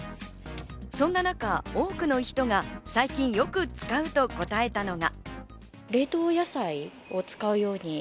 そんな中、多くの人が最近よく使うと答えたのが。